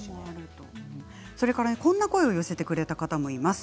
こんな声を寄せてくれた方もいます。